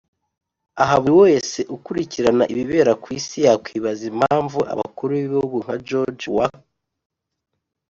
Aha buri muntu ukurikirana ibibera ku isi yakwibaza impamvu abakuru b’ibihugu nka George W